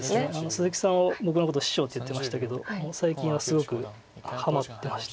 鈴木さんは僕のこと師匠って言ってましたけど最近はすごくはまってまして。